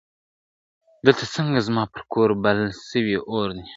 دلته څنګه زما پر کور بل سوی اور دی ,